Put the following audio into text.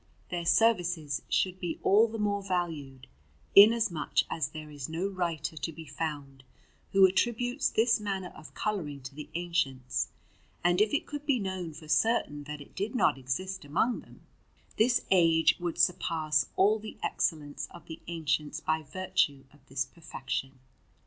Their services should be all the more valued, inasmuch as there is no writer to be found who attributes this manner of colouring to the ancients; and if it could be known for certain that it did not exist among them, this age would surpass all the excellence of the ancients by virtue of this perfection.